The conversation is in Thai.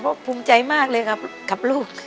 เพราะภูมิใจมากเลยครับ